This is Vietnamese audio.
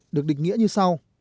được định nghĩa như sau